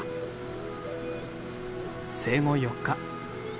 生後４日。